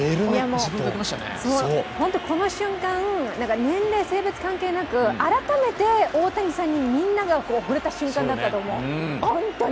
この瞬間、年齢性別関係なく、大谷さんにみんなが惚れた瞬間だったと思う、本当に。